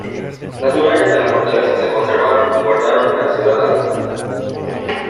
Las murallas de la fortaleza se conservaron y guardaron la ciudad alta.